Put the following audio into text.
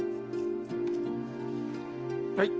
はい。